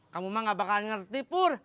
kamu mah gak bakalan ngerti pur